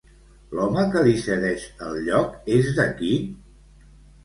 L'home que li cedeix el lloc és d'aquí?